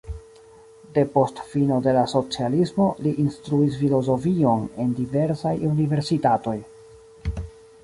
Depost fino de la socialismo li instruis filozofion en diversaj universitatoj.